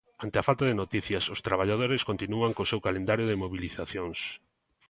Ante a falta de noticias os traballadores continúan co seu calendario de mobilizacións.